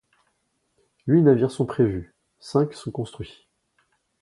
Huit navires sont prévus, cinq sont construits.